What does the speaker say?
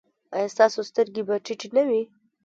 ایا ستاسو سترګې به ټیټې نه وي؟